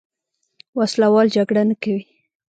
وسله واله جګړه نه کوي.